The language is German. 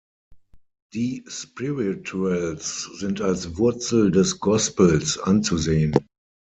Die Spirituals sind als Wurzel des Gospels anzusehen.